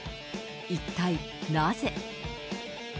一体なぜ。